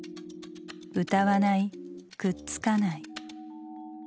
歌わないくっつかない。